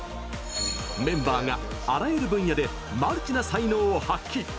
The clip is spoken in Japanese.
メンバーが、あらゆる分野でマルチな才能を発揮。